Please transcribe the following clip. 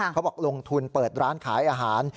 เขาบอกลงทุนเปิดร้านขายอาหาร